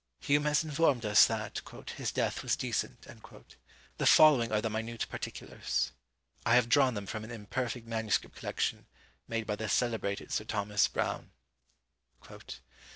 Hume has informed us, that "his death was decent." The following are the minute particulars: I have drawn them from an imperfect manuscript collection, made by the celebrated Sir Thomas Browne.